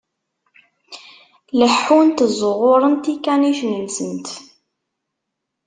Leḥḥunt, ẓẓuɣuṛent ikanicen-nsent.